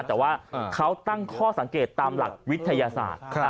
แต่ว่าเขาตั้งข้อสังเกตตามหลักวิทยาศาสตร์